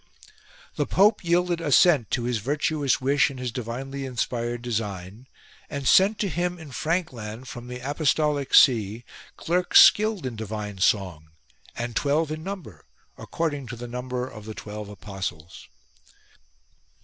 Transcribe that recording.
The Pope yielded assent to his virtuous wish and his divinely inspired design and sent to him in Frankland from the apostolic see clerks skilled in divine song, and twelve in number, according to the number of the twelve apostles.